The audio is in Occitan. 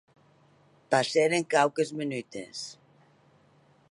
Passèren quauques menutes.